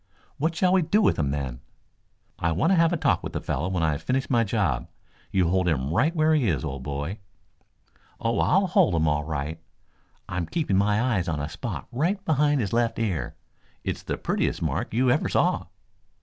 "What shall we do with him, then?" "I want to have a talk with the fellow when I have finished my job. You hold him right where he is, old boy." "Oh, I'll hold him all right. I'm keeping my eyes on a spot right behind his left ear. It's the prettiest mark you ever saw."